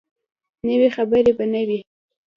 نوي خبرې به نه وي.